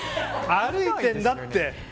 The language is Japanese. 歩いてんだって。